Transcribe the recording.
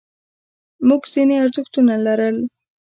موږ ځینې ارزښتونه لرل.